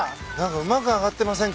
うまく揚がってませんか？